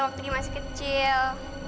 waktu dia masih kecil